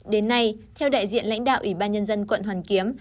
đến nay theo đại diện lãnh đạo ủy ban nhân dân quận hoàn kiếm